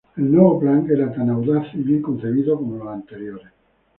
El nuevo plan era tan audaz y bien concebido como los anteriores.